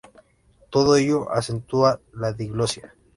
Todo ello acentúa la diglosia.